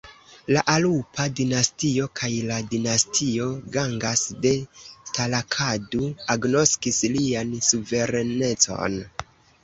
La Alupa dinastio kaj la dinastio Gangas de Talakadu agnoskis lian suverenecon.